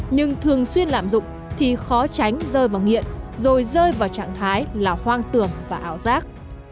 nhưng thường xuyên lạm dụng thì khó tránh rơi vào nghiện rồi rơi vào trạng thái là hoang tưởng và áo rác